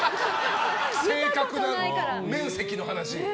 正確な面積の話。